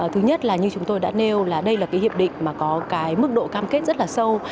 thứ nhất là như chúng tôi đã nêu là đây là cái hiệp định mà có cái mức độ cam kết rất là sâu